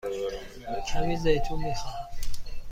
کمی زیتون می خواهم.